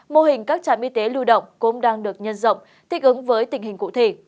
mô hình các trạm y tế lưu động cũng đang được nhân rộng thích ứng với tình hình cụ thể